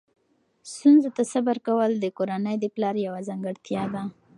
ستونزو ته صبر کول د کورنۍ د پلار یوه ځانګړتیا ده.